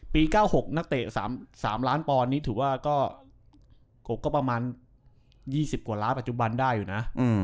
๙๖นักเตะ๓ล้านปอนด์นี่ถือว่าก็ประมาณ๒๐กว่าล้านปัจจุบันได้อยู่นะ